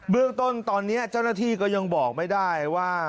เรื่องต้นตอนนี้เจ้าหน้าที่ก็ยังบอกไม่ได้ว่า